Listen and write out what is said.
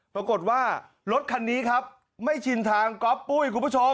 ปรากฏว่ารถคันนี้ครับไม่ชินทางก๊อปปุ้ยคุณผู้ชม